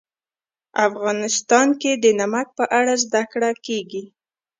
افغانستان کې د نمک په اړه زده کړه کېږي.